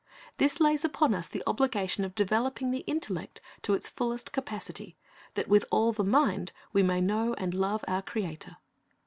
This lays upon us the obligation of developing the intellect to its fullest capacity, that with all the mind we may know and love our Creator.